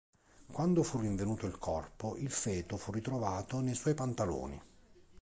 Quando fu rinvenuto il corpo, il feto fu ritrovato nei suoi pantaloni.